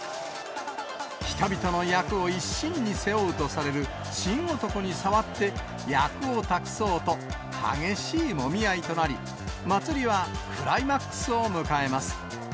人々の厄を一身に背負うとされる神男に触って、厄を託そうと、激しいもみ合いとなり、祭りはクライマックスを迎えます。